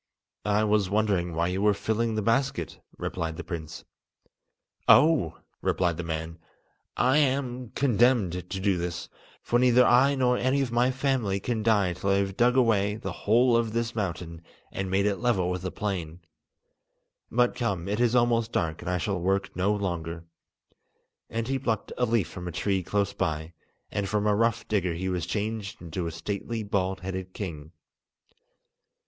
"I was wondering why you were filling the basket," replied the prince. "Oh!" replied the man, "I am condemned to do this, for neither I nor any of my family can die till I have dug away the whole of this mountain and made it level with the plain. But, come, it is almost dark, and I shall work no longer." And he plucked a leaf from a tree close by, and from a rough digger he was changed into a stately bald headed king.